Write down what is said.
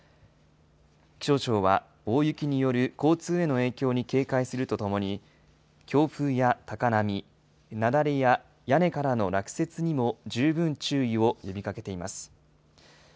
気象庁は大雪による交通への影響に警戒するとともに、強風や高波、雪崩や屋根からの落雪にも十分注意を呼びかけています。